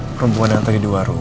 perempuan yang tadi di warung